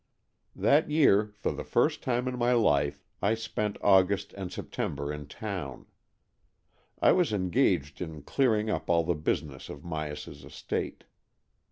That year, for the first time in my life, I spent August and September in town. I was engaged in clearing up all the business of Myas's estate.